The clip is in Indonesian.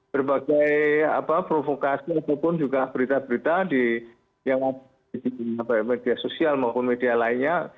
berbagai provokasi ataupun juga berita berita yang ada di media sosial maupun media lainnya